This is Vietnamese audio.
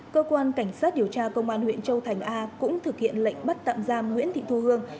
cơ quan cảnh sát điều tra công an huyện châu thành a cũng thực hiện lệnh bắt tạm giam nguyễn thị thu hương